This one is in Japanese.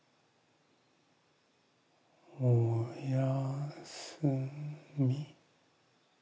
おやすみ？